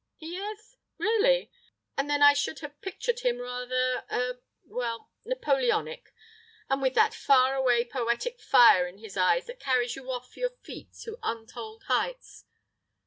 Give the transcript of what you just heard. "He is? Really! And then I should have pictured him rather—er—well, Napoleonic, and with that far away poetic fire in his eyes that carries you off your feet to untold heights....